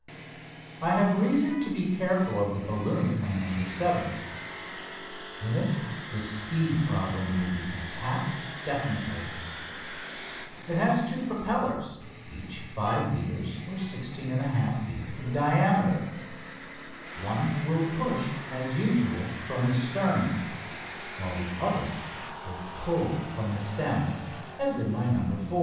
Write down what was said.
I have reason to be careful of the balloon of my "No. 7." In it the speed problem will be attacked definitely. It has two propellers, each 5 metres (16 1/2 feet) in diameter. One will push, as usual, from the stern, while the other will pull from the stem, as in my "No. 4."